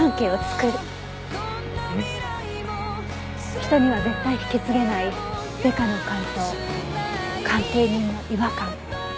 人には絶対引き継げないデカの勘と鑑定人の違和感。